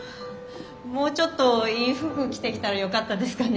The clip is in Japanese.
もうちょっといい服着てきたらよかったですかね。